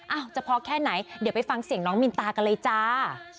จะพอแค่ไหนเดี๋ยวไปฟังเสียงน้องมินตากันเลยจ้า